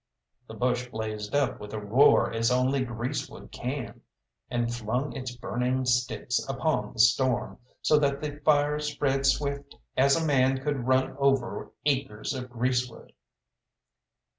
The bush blazed up with a roar as only greasewood can, and flung its burning sticks upon the storm, so that the fire spread swift as a man could run over acres of greasewood.